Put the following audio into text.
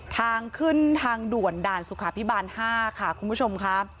ทางขึ้นทางด่วนด่านสุขาพิบาล๕ค่ะคุณผู้ชมค่ะ